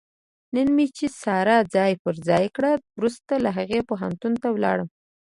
نن مې چې ساره ځای په ځای کړه، ورسته له هغې پوهنتون ته ولاړم.